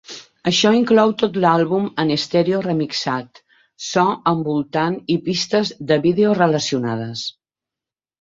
Això inclou tot l"àlbum en estèreo remixat, so envoltant i pistes de vídeo relacionades.